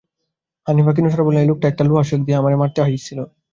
হানিফা ক্ষীণ স্বরে বলল, এই লোকটা একটা লোহার শিক লইয়া আমারে মারতে আইছিল।